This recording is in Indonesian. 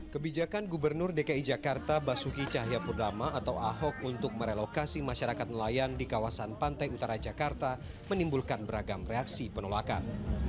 kebijakan gubernur dki jakarta basuki cahayapurnama atau ahok untuk merelokasi masyarakat nelayan di kawasan pantai utara jakarta menimbulkan beragam reaksi penolakan